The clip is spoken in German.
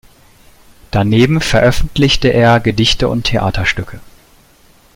Daneben veröffentlichte er Gedichte und Theaterstücke.